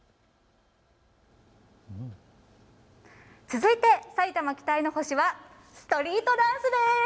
続いて埼玉期待の星はストリートダンスです。